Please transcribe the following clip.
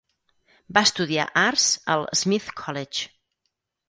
Va estudiar arts al Smith College.